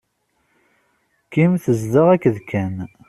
Kim tezdeɣ akked Ken.